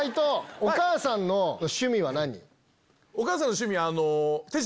お母さんの趣味手品？